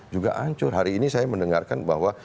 juga hancur hari ini saya mendengarkan bahwa